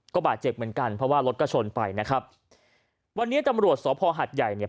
ก็บาดเจ็บเหมือนกันเพราะว่ารถก็ชนไปนะครับวันนี้ตำรวจสภหัดใหญ่เนี่ย